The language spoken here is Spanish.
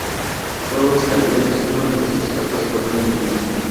Todos los cargueros y uno de los escoltas fueron hundidos.